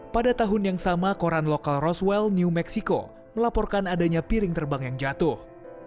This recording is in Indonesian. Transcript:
pada tahun yang sama koran lokal roswell new mexico melaporkan adanya piring terbang yang jatuh